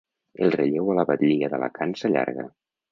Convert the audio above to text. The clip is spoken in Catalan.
El relleu a la batllia d’Alacant s’allarga.